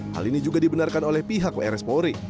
hal ini juga dibenarkan oleh pihak wrs polri